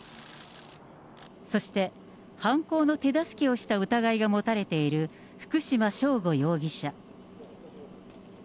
そして、犯行の手助けをした疑いが持たれている福島聖悟容疑者。